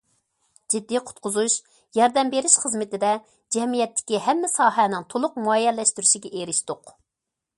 جىددىي قۇتقۇزۇش، ياردەم بېرىش خىزمىتىدە جەمئىيەتتىكى ھەممە ساھەنىڭ تولۇق مۇئەييەنلەشتۈرۈشىگە ئېرىشتۇق.